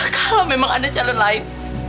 kalau memang ada calon lain